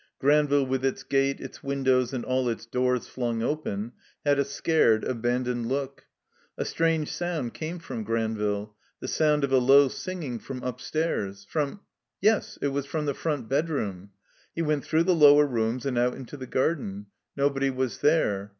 Granville with its gate, its windows, and all its doors flung open, had a scared, abandoned look. A strange sound came from Granville, the sound of a low singing from upstairs, from — ^yes, it was from the front bedroom. He went through the lower rooms and out into the garden. Nobody was there.